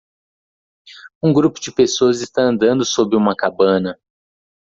Um grupo de pessoas está andando sob uma cabana.